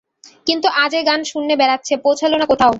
কিন্তু আজ এ গান শূন্যে বেড়াচ্ছে, পৌঁছোল না কোথাও।